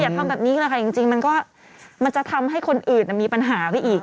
ทำแบบนี้แหละค่ะจริงมันก็มันจะทำให้คนอื่นมีปัญหาไปอีก